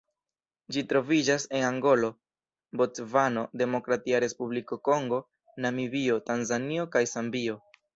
Ĝi troviĝas en Angolo, Bocvano, Demokratia Respubliko Kongo, Namibio, Tanzanio kaj Zambio.